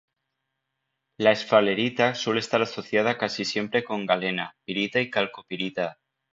La esfalerita suele estar asociada casi siempre con galena, pirita y calcopirita.